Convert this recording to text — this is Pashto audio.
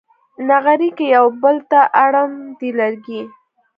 نغري کې یو بل ته اړم دي لرګي